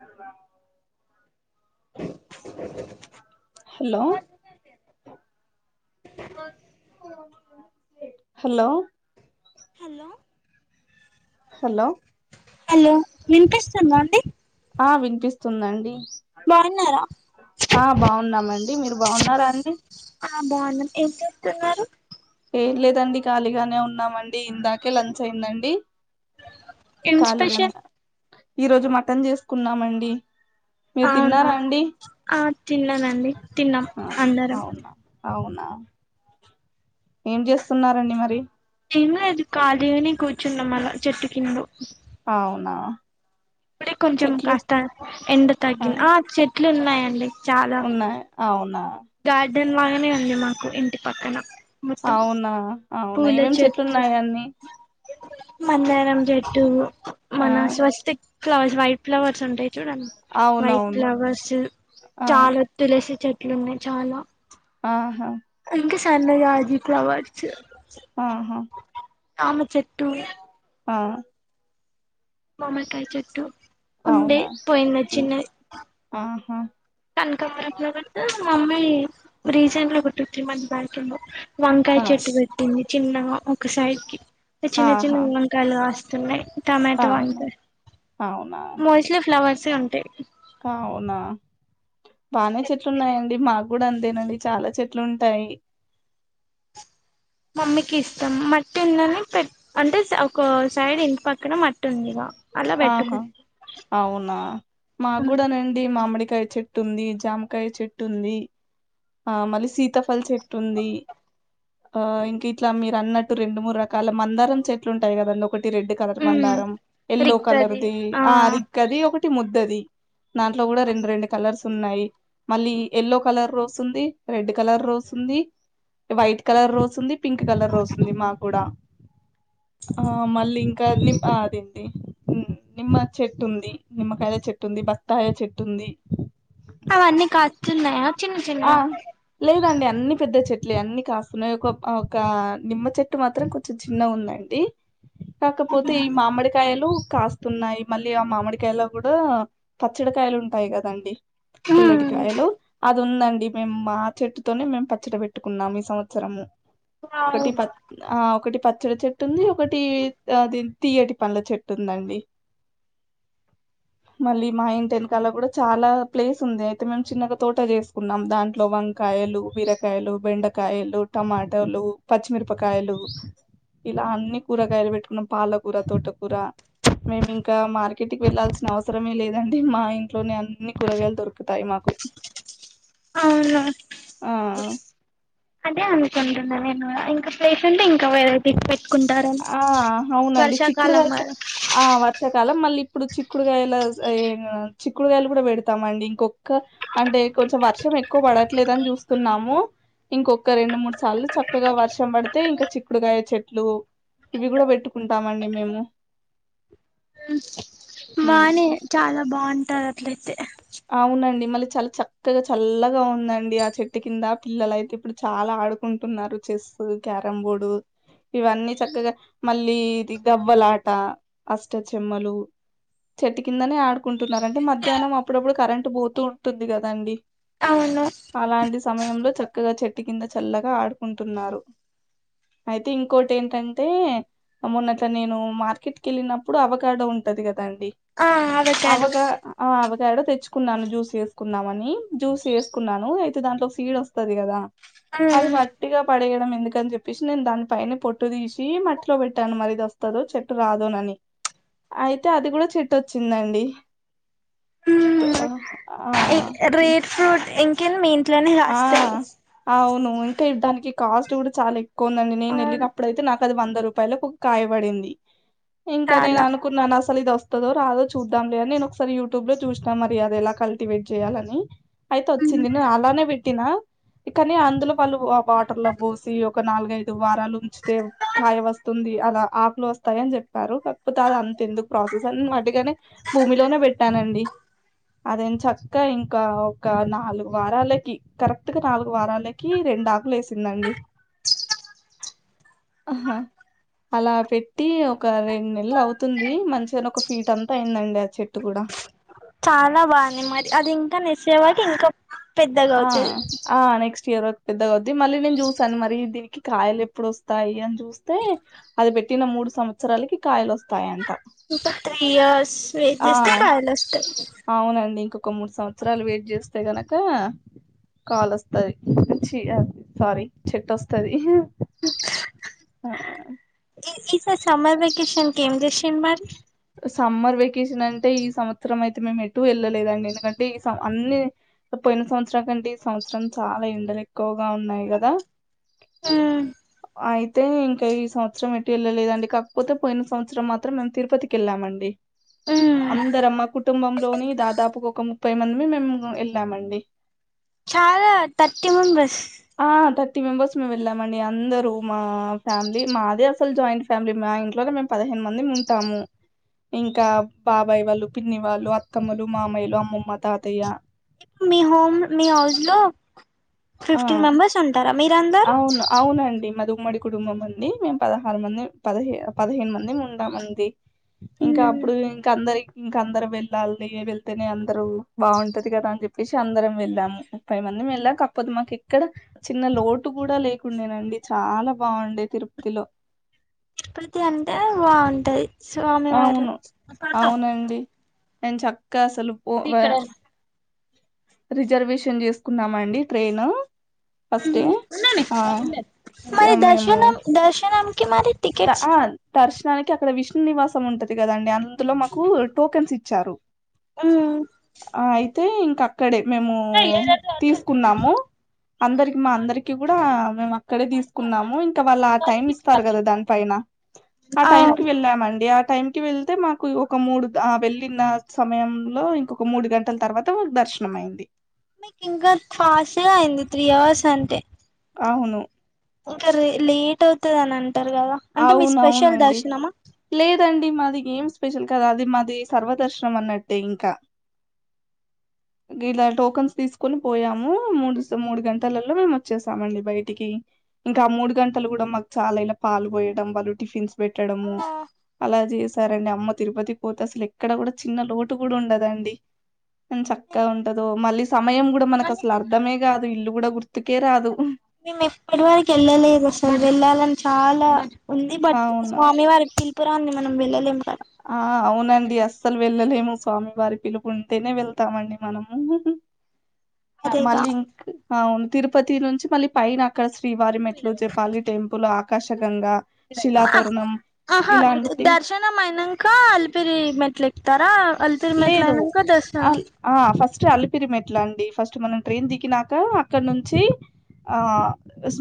అ అ hello hello hello hello hello వినిపిస్తుంద అండి ఆ వినిపిస్తుందండి [unintelligible] ఆ బాగున్నామండి మీరు బాగున్నార అండి ఆ బాగున్నం ఏం చూస్తున్నారు ఏం లేదండి కలిగానే ఉన్నామండి ఇందాకే లంచ్ అయిందండి ఏం ఖళీగాన స్పెషల్ ఈరోజు మటన్ చేసుకున్నామండి మీరు అవునా తిన్నారా అండి ఆ తిన్నానండి తిన్నాం ఆ అందరం అవునా అవునా ఏం చేస్తున్నారండి మరి ఏం లేదు ఖాళీగానే కూర్చున్నాం అలా చెట్టు కింద అవున ఇప్పుడే కొంచెం కాస్త ఎండ తగ్గింది ఆ చెట్లు ఉన్నాయండి చా అవునా గార్డెన్ లానే ఉంది మాకు ఇంటి పక్కన మొత్తం అవునా అవున ఏమేం చెట్లున్నాయి అన్ని మందరం చెట్టు ఆ [unintelligible] ఫ్లవర్స్ వైట్ ఫ్లవర్స్ ఉంటాయి చూడండి వైట్ అవునవును ఫ్లవర్స్ ఆ చాల తులసి చెట్లు ఉన్నయ్ చాల ఆ ఇంక సన్న జాజి ఫ్లవర్స్ ఆహా [unintelligible] చెట్టు ఆ మామకాయ చెట్టు ఉండే అవునా ఉమ్, పోయింది [unintelligible] ఆహా కనకావరం [unintelligible] ఒక టూ త్రీ మంత్స్ బ్యాక్ ఏమో వంకాయ్ ఆ చెట్టు పెట్టింది చిన్న ఒక సైడ్ కి చిన్న చిన్న ఆహా [unintelligible] కాయలు కాస్తున్నాయ్ టమాటో అంట అవును అవునా మోస్ట్లీ ఫ్లవర్సే ఉంటాయి అవునా బానే చెట్లు ఉన్నాయండి మాకు కూడ అంతేనండి చాల చె [unintelligible] మమ్మీకి ఇష్టం మట్టి ఉంది అని [unintelligible] అంటే ఒక సైడ్ ఇంటి పక్కన మట్టు ఉందిగ ఆహా అవున మాకు గూడ నండి మామిడికాయ చె [unintelligible] జామకాయ చెట్టు ఉంది ఆ మళ్ళీ సీతాఫల్ చెట్టు ఉంది ఆ ఇంకా ఇట్లా మీరు అన్నట్టు రెండు మూడు రకాల మందారం చెట్లు ఉంటాయి కదండి ఒకటి రెడ్ కలర్ ఉమ్ బందారం ఎల్లో రిక్కది కలర్ది ఆ ఆరిక్కది ఒకటి ముద్దది దాంట్లో కూడా రెండు రెండు కలర్స్ న్నాయి మళ్ళీ ఎల్లో కలర్ రోస్ ఉంది రెడ్ కలర్ రోస్ ఉంది వైట్ కలర్ రోస్ ఉంది పింక్ కలర్ రోస్ ఉంది మా కూడా ఆ మళ్ళీ ఇంకా అని ఆ అదేంటి మ్ నిమ్మ చెట్టు ఉంది నిమ్మకాయల చెట్టు ఉంది బత్తాయ చెట్టు ఉంది అవన్నీ కాస్తున్నాయా చిన్న ఆ చిన్నయా లేదండి అన్ని పెద్ద చెట్లే అన్ని కాస్తున్నాయి ఒక అ ఒక నిమ్మ చెట్టు మాత్రం కొ చి చిన్న ఉందండి కాకపోతే ఈ మామిడికాయలు కాస్ తున్నాయ్ మళ్ళీ ఆ మామిడికాయలో కూడా పచ్చడికాయలు ఉంటాయి కదండి పుల్లటికాయలు అది ఉందండి మేము మా చెట్టుతోనే మేము పచ్చడి పెట్టుకున్నాం ఈ సంవత్సరము వావ్ ఒకటి ప ఆ ఒకటి పచ్చడి చెట్టు ఉంది ఒకటి అ తీయ్యటి పండ్ల చెట్టు ఉందండి మళ్ళీ మా ఇంటి ఎనకాల కూడా చాలా ప్లేస్ ఉంది అయితే మేము చిన్నగా తోట చేస్ కున్నాం దాంట్లో వంకాయలు బీరకాయలు బెండకాయలు టమాటలు పచ్చిమిరపకాయలు ఇలా అన్ని కూరగాయలు పెట్టుకున్నాం పాలకూర తోటకూర మేము ఇంకా మార్కెట్కి వెళ్ళాల్సిన అవసరమే లేదండి మా ఇంట్లోనే అన్ని కూరగాయలు దొరుకుతాయి మాకు అవునా ఆ అదే అనుకుంటున్నా నేను ఇంకా ప్లేస్ ఉంటే ఇంకా వేరే డిక్ పెట్టుకుంటారేమో ఆ అవునండి వర్షాకాలం చిక్కుడుగాయలు స వల్ల ఆ వర్షాకాలం మళ్ళీ ఇప్పుడు చిక్కుడుగాయల చిక్కుడుగాయలు కూడా పెడతామండి ఇంకొక్క అంటే కొంచెం వర్షం ఎక్కువ పడట్లేదని చూస్తున్నాము ఇంకొక్క రెండు మూడు సార్లు చక్కగా వర్షం పడితే ఇంకా చిక్కుడుకాయ చెట్లు ఇవి కూడా పెట్టుకుంటామండి మేము హ్మ్. బానే చాలా బావుంటారు అట్లయితే అవునండి మళ్ళీ చాలా చక్కగా చల్లగా ఉందండి ఆ చెట్టు కింద పిల్లల అయితే ఇప్పుడు చాలా ఆడు కుంటున్నారు చెస్సు క్యారంబోర్డు ఇవన్నీ చక్కగా మళ్ళీ ఇది గవ్వలాట అష్ట చెెమ్మలు చెట్టు కిందనే ఆడుకుంటున్నారు అంటే మధ్యాహ్నం అప్పుడప్పుడు కరెంటు పోతూ ఉంటుంది కదాండి అవును అలాంటి సమయంలో చక్కగా చెట్టు కింద చల్లగా ఆడుకుంటున్నారు అయితే ఇంకోటేటంటే అ మొన్న అట్లా నేను మార్కెట్కి ఎళ్ళినప్పుడు అవగాడో ఉంటది కదా అండి ఆ అవకాడో అవగా అవవు ఎడో తెచ్చుకున్నాను జ్యూస్ చేసుకుందమని అని జ్యూస్ చేసుకున్నాను అయితే దాంట్లో సీడ్ వస్తది కదా ఉమ్ అది మ ఒట్టిగా పడేయడం ఎందుకని చెప్పేసి నేను దాని పైన పొట్టు తీసి మట్టిలో పెట్టాను మరిది వస్ త్తదో చెట్టు రాదోనని అయితే అది కూడా చెట్టు వచ్చిందండి ప్ఆ రేడ్ ఫ్రూట్ ఇంకేనా మీ ఇంట్లోనే ఆ, కాస్తాయి అవును ఇంకా ఇ దానికి కాస్ట్ కూడా చాలా ఎక్కువ ఉందండి నేను అవును వెళ్ళినప్పుడుయితే నాకు అది వంద రూపాయలకు ఒక కాయ పడింది ఇంకా నేను చాలా అను కున్నాను అసలు ఇది వస్తదో రాదో చూద్దాం లేదని నేను ఒకసారి యూట్యూబ్ లో చూసినా మరి అది ఎలా కల్టివేట్ చేయాలని అయితే వచ్చింది నే అలానే పెట్టినా కానీ అందులో వాళ్ళు వాటర్ లో పోసి ఒక నాలుగై వదు వారాలు ఉంచితే కాయ వస్తుంది అలా ఆకులు వస్తాయి అని చెప్పారు కాకపోతే అది అంత ఎందుకు ప్రాసెస్ అని అటుగానే భూమిలోనే పెట్టానండి అదేం చక్క ఇంకా ఒక నాలుగు వారాలకి కరెక్ట్ గా నాలుగు వారాలకి రెండు ఆకులు వేసిందండి అహ అలా పెట్టి ఒక రెండు నెలలు అవుతుంది మంచిగానే ఒక ఫీట్ అంత అయిందండి ఆ చెట్టు కూడా చాలా బాగుంది మరి అది ఇంకా నెసేవాకి ఇంకా పెద్దగ ఆ! వచ్చె ఆ నెక్స్ట్ ఇయర్ ఒక పెద్దగా అవుద్ది మళ్ళీ నేను చూసాను మరి దీనికి కాయలు ఎప్పుడు వస్తాయి అని చూస్తే అది పెట్టిన మూడు సంవత్సరాలకి కాయలు వస్తాయ్ అంట ఇంక త్రీ ఇయర్స్ వేయిట్ చేస్తె కాయలోస్తయ్ అవునండి ఇంకొక మూడు సంవత్సరాలు వెయిట్ చేస్తే గనక కాలు వస్తది భీ స్వారీ చెట్టు వస్తది ఆ ఈ ఈసారి సమ్మర్ వెకేషన్ కి ఏం చేసింరు మరి సమ్మర్ వెకేషన్ అంటే ఈ సంవత్సరం అయితే మేము ఎటు వెళ్ళలేదండి ఎందుకంటే ఈ అన్ని పోయిన సంవత్సరం కంటే ఈ సంవత్సరం చాల ఎండలు ఎక్కువగా ఉన్నాయి కదా ఉ అయితే ఇంకా ఈ సంవత్సరం ఎటు వెళ్ళలేదండి కాకపోతే పోయిన సంవత్సరం మాత్రం మేము తిరుపతి కెళ్లాం అండి ఉమ్ అందరం మ కుటుంబంలోని దాదాపు ఒక ముప్పై మంది మేము వెళ్ళామండి చాల థర్టీ మెంబర్స్ ఆ థర్టీ మెంబెర్స్ మేము వెళ్ళామ అండి అందరు మా ఫ్యామిలీ మాదే అసలు జాయింట్ ఫ్యామిలీ మా ఇంట్లోనే మేము పదిహేను మంది ఉంటాము ఇంకా బాబాయ్ వాళ్ళు పిన్ని వాళ్ళు అత్తమ్మలు మామయ్యలు అమ్మమ్మ తాతయ్య మీ హోమ్ మీ హౌస్ లో ఆ ఫిఫ్టీన్ మెంబర్స్ ఉంటార మీరంద అవును అవునండి మాది ఉమ్మడి కుటుంబం అండి మేము పదహారు మంది పదహే పదిహేను మంది ఉంటాము అండి ఇంక ఉమ్ అప్పుడు ఇంక అందరికి ఇంక అందరు వెళ్ళాలి వెళ్తేనే అందరుూ బాగుంటది కదా అని చెప్పేసి అందరం వెళ్దాము ముప్పై మంది వెళ్ళాం కాకపోతే మాకు ఇక్కడ చిన్న లో టు కూడా లేకుండెనండి చాలా బాగుండే తిరుపతిలో ఉపతి అంటే బాగుంటది స్వామి వారు ఏం చక్క అసలు ఇది పోవె ఇక్కడ రిజర్వేషన్ చేసుకున్నాం అండి ట్రైన్ ఫస్టే ఆ సో, మరి మేము దర్శన దర్శనంకి మరి ద టికెట్స్ ఆ దర్శనానికి అక్కడ విష్ణు నివాసం ఉంటది కదండి అందులో మాకు టోకెన్స్ ఇచ్చారు ఉ ఆ అయితే ఇంక అక్కడే మేము తీసుకున్నాము అందరికి మా అందరికి కూడా మేము అక్కడే తీసుకున్నాము ఇంక వాళ్ళు ఆ టైమ్ ఇస్తారు కదా దాని పైన ఆ టైమ్ కి అవును వెళ్ళామండి ఆ టైమ్కి వెళ్తే మాకు ఒక మూడు వెళ్ళిన సమయంలో ఇంకొక మూడు గంటల తర్వాత మా దర్శనం నమైంది మీకు ఇంకా తాస్ట్ గా అయింది త్రీ అవర్స్ అంటే అవును ఇంకా రే లేట్ అవుతది అని అంటారు కదా అంటే మీ స్పెషల్ అవునవునండి దర్శనమా లేదండి మాది ఏం స్పెషల్ కద అది మాది సర్వదర్శనం అన్నట్టే ఇంకా ఇలా టోకెన్స్ తీసుకొని పోయాము మూడు మూడు గంటలలో మేము వచ్చేసామండి బయటికి ఇంకా మూడు గంటలు కూడా మాకు చాలా ఇలా పాలు పోయడం వాళ్ళు టిఫిన్స్ పెట్టడము అలా చేస్ సరండి అమ్మ తిరుపతి పోతే అసలు ఎక్కడ కూడా చిన్న లోటు కూడా ఉండదండి అని చక్కగా ఉంటదో మళ్ళీ సమయం కూడా మనకు అసలు అర్ధమే కాదు ఇల్లు కూడా గుర్తుకే రాదు మేము ఇప్పటి వరకు వెళ్ళలేదు సార్ వెళ్ళాలని చాలా ఉంది బట్ అవునా స్వామి వారి పిలుపురాంది మనం వెళ్ళలేము కదా ఆ అవునండి అస్సలు వెళ్ళలేము స్వామివారి పిలుపుంటేనే వెళ్తామండి మనము అదేగా మళ్ళీ ఇంక్ అవును తిరుపతి నుంచి మళ్ళీ పైనా అక్కడ శ్రీవారి మెట్లు జపాలి టెంపుల్ ఆకాశగంగ శిలాతోరణం ఆహ ఇలాంటి దర్శనం అయినాంక అల్పిరి మెట్లు ఇక్తారా అల్పిరి మెట్ల లేదు అయినాంక కదస్తున్నాం అల్ ఆ ఫస్ట్ అల్లిపిరి మెట్లండి ఫస్ట్ మనం ట్రైన్ దిగినాక అక్కడ నుంచి ఆ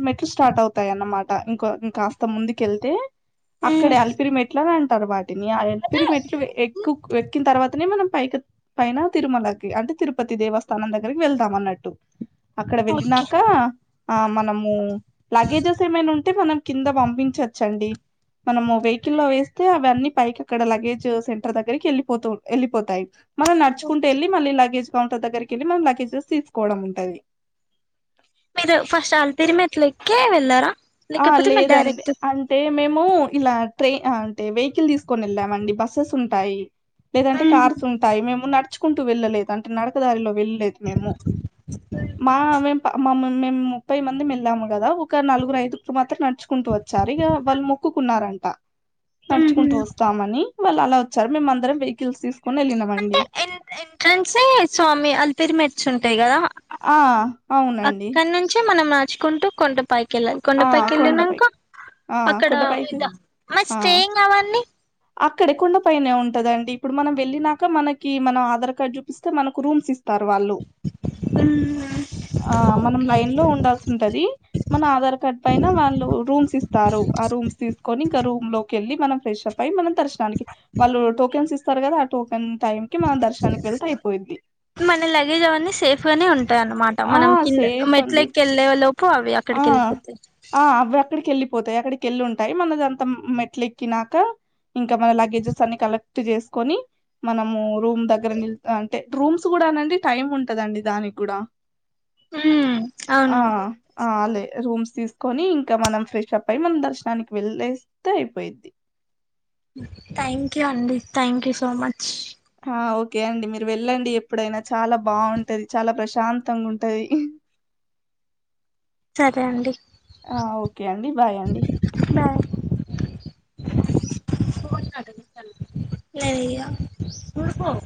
మెట్లు స్టార్ట్ అవుతాయి అన్నమాట ఇంకో ఇంకాస్త ముందుకెళ్తే అక్కడే అల్పిరిమెట్ ఎట్లా అంటారు వాటిని ఆ ఎల్పిరి మెట్లు ఎక్కు ఎక్కిన తర్వాతనే మనం పైకి పైన తిరుమలకి అంటే తిరుపతి దేవస్థానం దగ్గరకి వెళ్దాం అన్నట్టు అక్కడ ఓకే వెళ్ళినాక ఆ మనము లగేజెస్ ఏమైనా ఉంటే మనం కింద పంపించచ్చండి మనము వెహికల్లో వేస్తే అవ అన్నీ పైకి అక్కడ లగేజ్ సెంటర్ దగ్గరికి వెళ్ళిపోతు వెళ్ళిపోతాయి మనం నడుుకుంటు ఎల్లి మల్లి లగేజ్ కౌంటర్ దగ్గరకి వెళ్లి మన లగజెస్ తీసుకోవడం ఉంటది మీరు ఫస్ట్ అలిపిరి మెట్లు ఎక్కె వెళ్ళారా ఆ లేకపోతే మీరు లేదండి డైరెక్ట్ అన్ అంటే మేము ఇలా ట్రై అంటే వెహికల్ తీసుకుని వెళ్ళామండి బస్సెస్ ఉంటాయి లేదంటే కార్స్ ఉంటాయి మేము నడుచుకుంటూ వెళ్ళలేదు అంటే నడకదారిలో వెళ్ళలేదు మేము మా మేము మేము ముప్పై మంది మెల్లాము కదా ఒక నలుగురుఐదు ఇప్పుడు మాత్రం నడుచుకుంటూ వచ్చారు ఇక వాళ్ళు మొక్కుకున్నారంట నడుచుకుంటూ వస్తామని వాళ్ళు అలా వచ్చారు మేమందరం వెహికల్స్ తీసుకుని వెళ్ళినామ్ అంటే ఎన్ ఎంట్రెన్సే స్వామి అలిపిరు మెట్స్ ఉంటాయి కదా ఆ అవునండి అక్కడి నుంచి మనం నచుకుంటూ కొండప్ పకెళ్ళ ఆ కొండపైకెళ్ళినాక కొండపైకి ఆ అక్కడ కొండపైకి మ స్టేయింగ్ అవన్ని అక్కడె కొండపైనే ఉంటద అండి ఇప్పుడు మనం వెళ్ళినాక మనకి మనం ఆధార్ కార్డ్ చూపిస్తే మనకు రూమ్స్ ఇస్ తర్వాళ్ళు ఆ మనం లైన్ లో ఉండాల్సి ఉంటది మన ఆధార్ కడ్ పైన వాళ్ళు రూమ్స్ ఇస్తారు ఆ రూమ్స్ తీసుకొని ఇంకా రూమ్ లోకిళ్ళి మనం ఫ్రెష్ అప్ అయి మన దర్శ వాళ్ళు టోకెన్స్ ఇస్తారు కదా ఆ టోకెన్ టైమ్ కి మనం దర్శనానికి వెళ్తే అయిపోయిద్ది మన లగేజ్ అవన్నీ సేఫ్ గానే ఉంటాయ అన్నమాట ఆ మనం కింద సేఫ్ మెట్ల అండి ఎక్కి వెళ్ళే లోపు పో అవి ఆ అక్కడికి వెళ్ళిపోతే ఆ అవి అక్కడికి వెళ్ళిపోతాయి అక్కడికిళ్ళి ఉంటాయి మనదంతా మెట్ల ఎక్కినాక ఇంకా మన లగేజెస్ అన్ని కలెక్ట్ చేసుకొని మనము రూమ్ దగ్గర ని అంటే రూమ్స్ కూడానండి టైమ్ ఉంటందండి దానికి కూడా మ్మ్ ఆ అవును అ లె రూమ్స్ తీసుకొని ఇంకా మనం ఫ్రెష్ అప్ అయి మనం దర్శనానికి వెళ్లేేస్తే అయిపోయిద్ది థ్యాంక్ యూ అండి థ్యాంక్ యూ సో మచ్ ఆ ఓకే అండి మీరు వెళ్ళండి ఎప్పుడైనా చాలా బాగుంటది చాలా ప్రశాంతంగా ఉంటది సరే అండి ఆ ఓకే అండి బాయ్ అండి బాయ్ [inaudible]